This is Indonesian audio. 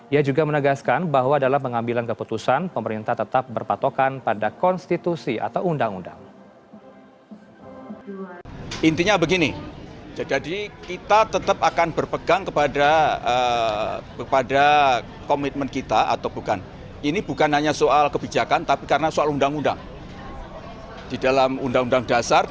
ia juga menegaskan bahwa dalam pengambilan keputusan pemerintah tetap berpatokan pada konstitusi atau undang undang